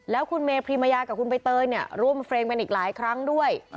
แล้วคุณเมพรีมายากับคุณใบเตยเนี่ยร่วมเฟรมกันอีกหลายครั้งด้วย